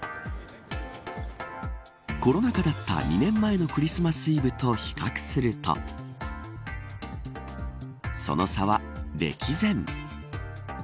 コロナ禍だった２年前のクリスマスイブと比較するとその差は歴然。